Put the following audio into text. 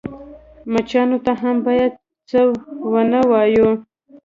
_مچانو ته هم بايد څه ونه وايو.